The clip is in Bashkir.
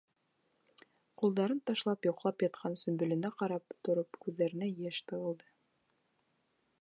Ҡулдарын ташлап йоҡлап ятҡан Сөмбөлөнә ҡарап тороп күҙҙәренә йәш тығылды.